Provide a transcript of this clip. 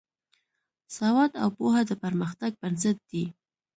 سواد او پوهه د پرمختګ بنسټ دی.